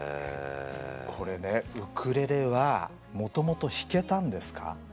これねウクレレはもともと弾けたんですか？